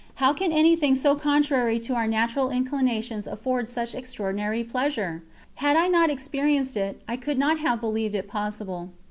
How can anything so contrary to our natural inclinations afford such extraordinary pleasure? Had I not experienced it, I could not have believed it possible.